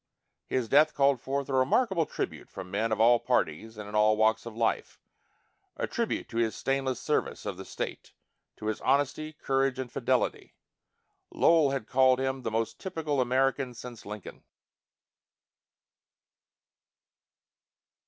His death called forth a remarkable tribute from men of all parties and in all walks of life a tribute to his stainless service of the state, to his honesty, courage, and fidelity. Lowell had called him "the most typical American since Lincoln."